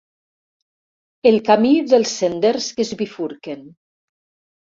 El camí dels senders que es bifurquen.